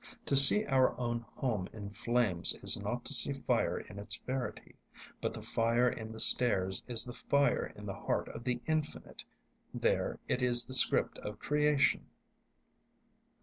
To see our own home in flames is not to see fire in its verity. But the fire in the stars is the fire in the heart of the Infinite; there, it is the script of creation.